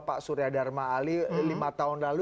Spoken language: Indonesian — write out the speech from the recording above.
pak surya dharma ali lima tahun lalu